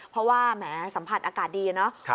เพราะว่าแหมสัมผัสอากาศดีเนาะ